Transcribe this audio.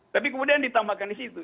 tapi kemudian ditambahkan di situ